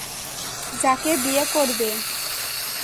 যাকে বিয়ে করবে?